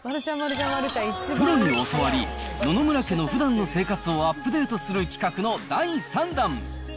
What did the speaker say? プロに教わり、野々村家のふだんの生活をアップデートする企画の第３弾。